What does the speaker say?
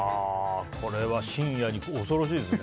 これは深夜に恐ろしいですね